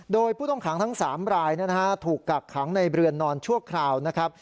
โดยผู้ต้องขังทั้ง๓รายถูกกักขังในเรือนนอนชั่วคราวนะครับ